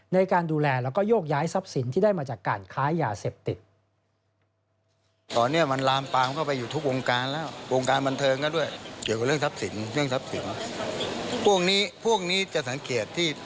ในการดูแลแล้วก็โยกย้ายทรัพย์สินที่ได้มาจากการค้ายาเสพติด